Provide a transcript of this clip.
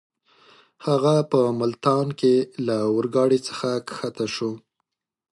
هغه په ملتان کې له اورګاډۍ څخه کښته شو.